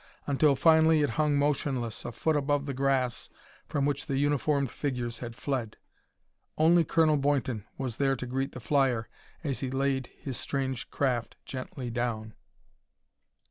until finally it hung motionless a foot above the grass from which the uniformed figures had fled. Only Colonel Boynton was there to greet the flyer as he laid his strange craft gently down.